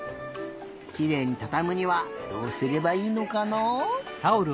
きれいにたたむにはどうすればいいのかな？